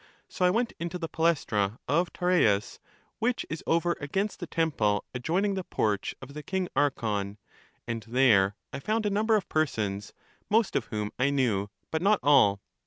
So I went into the palaestra of Taureas, which is over against the temple adjoining the porch of the King Archon, and there I found a nimiber of persons, most of whom I knew, but not all.